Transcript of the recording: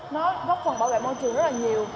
nó góp phần bảo vệ môi trường rất nhiều